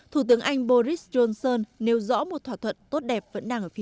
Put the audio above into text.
thủ tướng anh boris johnson nêu rõ một thỏa thuận tốt đẹp vẫn đang ở phía